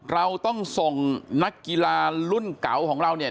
เราต้องส่งนักกีฬารุ่นเก่าของเราเนี่ย